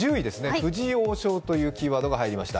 藤井王将というキーワードが入りました。